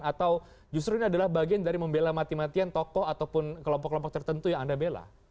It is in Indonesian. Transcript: atau justru ini adalah bagian dari membela mati matian tokoh ataupun kelompok kelompok tertentu yang anda bela